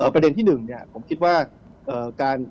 ประเด็นที่๑ผมคิดว่าการ